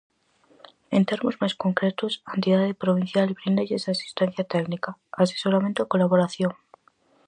En termos máis concretos, a entidade provincial bríndalles asistencia técnica, asesoramento e colaboración.